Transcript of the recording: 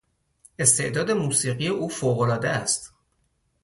استعداد موسیقی او فوق العاده است.